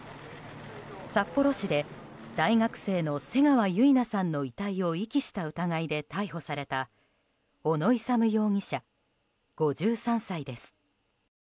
札幌市で大学生の瀬川結菜さんの遺体を遺棄した疑いで逮捕された小野勇容疑者、５３歳です。